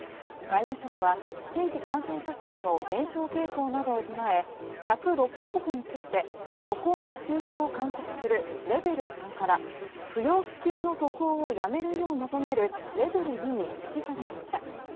外務省は新規感染者数の減少傾向などを踏まえ１０６か国について渡航の中止を勧告するレベル３から、不要不急の渡航をやめるよう求めるレベル２に引き下げました。